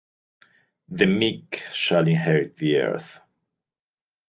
The meek shall inherit the earth.